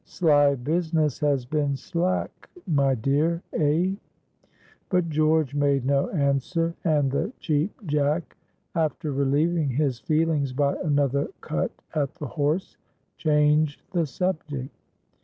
"Sly business has been slack, my dear, eh?" But George made no answer, and the Cheap Jack, after relieving his feelings by another cut at the horse, changed the subject.